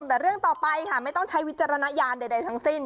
แต่เรื่องต่อไปค่ะไม่ต้องใช้วิจารณญาณใดทั้งสิ้น